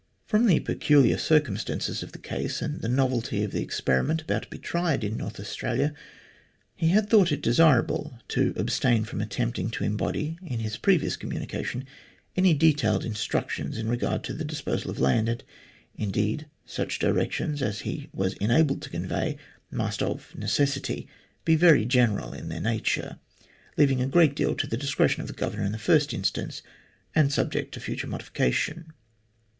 From the peculiar circumstances of the case, and the novelty of the experiment about to be tried, in North Australia, he had thought it desirable to abstain from attempting to embody, in his previous communication, any detailed in structions in regard to the disposal of land, and, indeed, such directions as he was enabled to convey must, of necessity, be very general in their nature, leaving a great deal to the discretion of the Governor in the first instance, and subject to future modification.